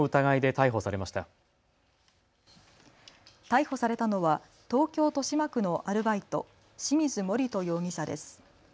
逮捕されたのは東京豊島区のアルバイト、清水守人容疑者です。